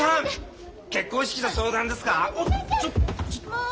もう。